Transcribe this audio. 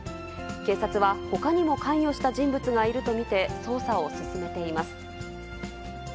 警察は、ほかにも関与した人物がいると見て、捜査を進めています。